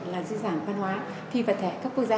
là di sản văn hóa phi vật thể